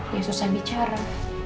ya susah bicara